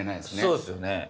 そうっすよね？